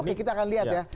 oke kita akan lihat ya